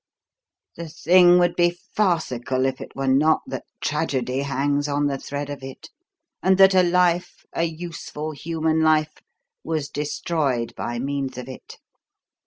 The thing would be farcical if it were not that tragedy hangs on the thread of it, and that a life, a useful human life, was destroyed by means of it.